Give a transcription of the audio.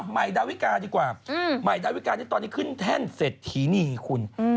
ใหม่ดาวิกาดีกว่าตอนนี้ขึ้นแท่นเสร็จทีนี่คุณ